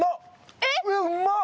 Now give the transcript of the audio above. えっうまっ！